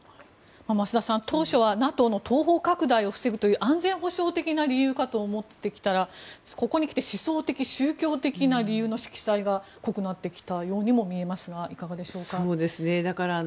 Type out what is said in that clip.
増田さん、当初はＮＡＴＯの東方拡大を防ぐという安全保障的な理由かと思っていたらここにきて思想的、宗教的な色彩が濃くなってきたようにも見えますが、いかがでしょうか？